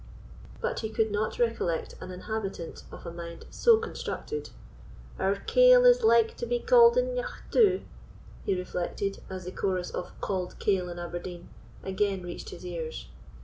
But he could not recollect an inhabitant of a mind so constructed. "Our kail is like to be cauld eneugh too," he reflected, as the chorus of "Cauld Kail in Aberdeen" again reached his ears.